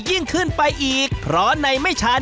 ยิ่งขึ้นไปอีกเพราะในไม่ชัด